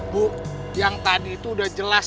bu yang tadi itu udah jelas